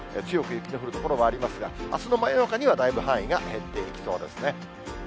強く雪の降る所もありますが、あすの真夜中には、だいぶ範囲は減っていきそうですね。